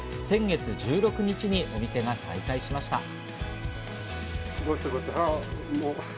先月１６日にお店は再開しました。